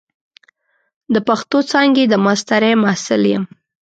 د پښتو څانګې د ماسترۍ محصل یم.